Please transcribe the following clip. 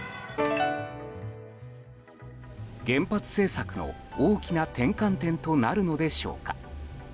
原発政策の大きな転換点となるのでしょうか。